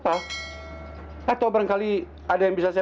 ada tanda busur saja